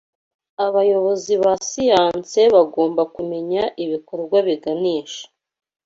Abayobozi ba siyanse bagomba kumenya ibikorwa biganisha